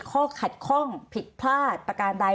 ข้อขัดข้องผิดพลาดประการใด